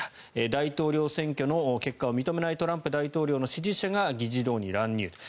大統領選挙の結果を認めないトランプ大統領の支持者が議事堂に乱入。